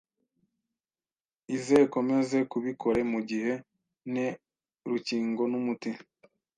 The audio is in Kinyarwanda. izekomeze kubikore mu gihe nte rukingo n’umuti